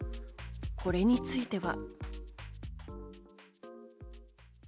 これについては。